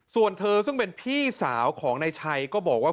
ส่วนเธอซึ่งเป็นพี่สาวของนายชัยก็บอกว่า